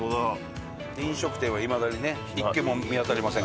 飲食店はいまだにね一軒も見当たりませんけどね。